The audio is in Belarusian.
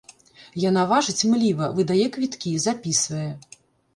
Яна важыць мліва, выдае квіткі, запісвае.